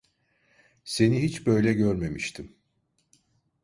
Seni hiç böyle görmemiştim.